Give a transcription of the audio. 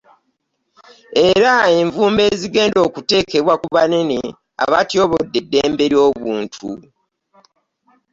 Era envumbo ezigenda okuteekebwa ku banene abatyoboola eddembe ly'obuntu